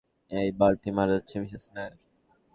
এই বাল্বটি মারা যাচ্ছে, মিসেস নায়ার।